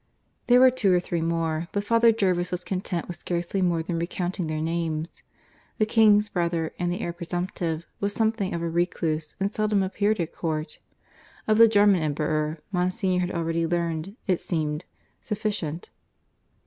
There were two or three more, but Father Jervis was content with scarcely more than recounting their names. The King's brother, and the heir presumptive, was something of a recluse and seldom appeared at court. Of the German Emperor, Monsignor had already learned, it seemed, sufficient.